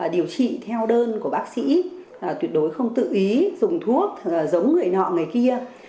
điều trị theo đơn của bác sĩ tuyệt đối không tự ý dùng thuốc giống người nọ người kia